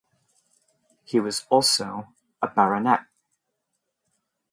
He was also a baronet.